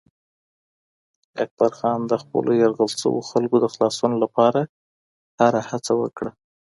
اکبرخان د خپلو یرغمل شویو خلکو د خلاصون لپاره هره هڅه وکړه.